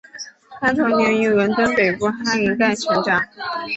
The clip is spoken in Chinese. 她童年于伦敦北部哈林盖成长。